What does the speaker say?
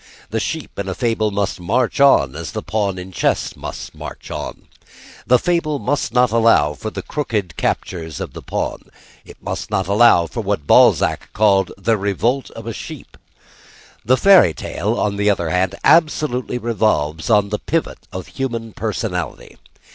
The sheep in a fable must march on, as the pawn in chess must march on. The fable must not allow for the crooked captures of the pawn; it must not allow for what Balzac called "the revolt of a sheep" The fairy tale, on the other hand, absolutely revolves on the pivot of human personality.